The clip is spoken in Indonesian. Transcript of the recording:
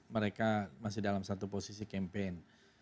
mereka masih dalam satu posisi campaign